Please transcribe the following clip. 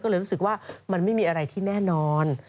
ก็เลยรู้สึกว่ามันไม่มีอะไรที่แน่นอน